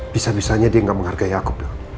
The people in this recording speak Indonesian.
bisa bisanya dia nggak menghargai aku